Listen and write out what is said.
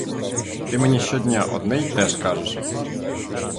Ти мені щодня одне й те ж кажеш.